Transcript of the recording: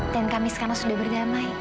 dan kami sekarang sudah berdamai